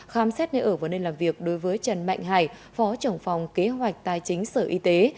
khám xét nơi ở và nơi làm việc đối với trần mạnh hải phó trưởng phòng kế hoạch tài chính sở y tế